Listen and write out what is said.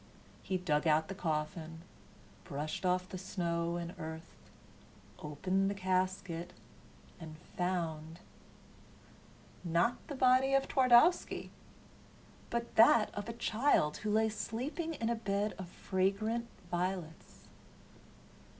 He dug out the coffin, brushed off the snow and earth, opened the casket and found not the body of Twardowski, but that of a child who lay sleeping in a bed of fragrant violets.